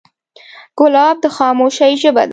ګلاب د خاموشۍ ژبه ده.